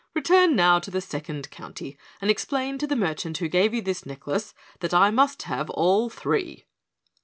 Return now to the Second County and explain to the merchant who gave you this necklace that I must have all three."